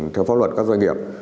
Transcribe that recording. theo pháp luật các doanh nghiệp